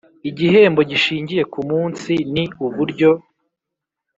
Igihembo gishingiye ku munsi ni uburyo